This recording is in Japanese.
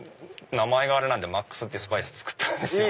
名前があれなんでまっくすってスパイス作ったんですよ。